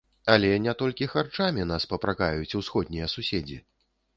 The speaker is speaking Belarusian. Але не толькі харчамі нас папракаюць усходнія суседзі.